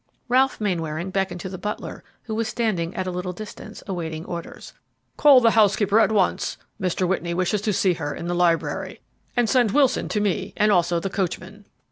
Ralph Mainwaring beckoned to the butler; who was standing at a little distance, awaiting orders. "Call the housekeeper at once, Mr. Whitney wishes to see her in the library; and send Wilson to me, and also the coachman."